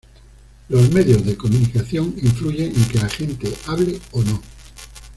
Los medios de comunicación influyen en que la gente hable o no.